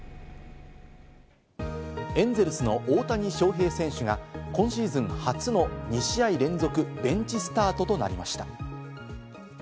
エンゼルスの大谷翔平選手が、今シーズン初の２試合連続ベンチスタートとなりました。